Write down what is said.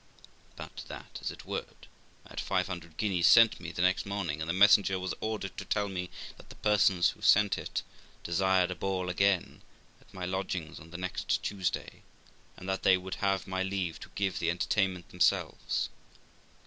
Be that as it would, I had five hundred guineas sent me the next morn ing, and the messenger was ordered to tell me that the persons who sent it desired a ball again at my lodgings on the next Tuesday, but that they would have my leave to give the entertainment themselves.